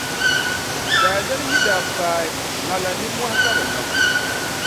Daa dali yi daa paai naɣila nimmɔhi ka bɛ niŋ.